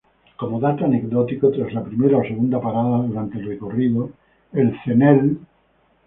Como dato anecdótico, tras la primera o segunda parada durante el recorrido, el Cnel.